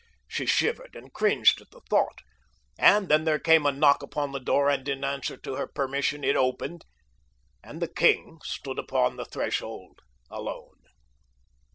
She shivered and cringed at the thought, and then there came a knock upon the door, and in answer to her permission it opened, and the king stood upon the threshold alone.